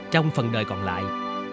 trong phần đời còn lại